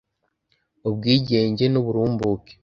ubwigenge n’uburumbuke